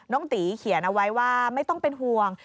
ตีเขียนเอาไว้ว่าไม่ต้องเป็นห่วง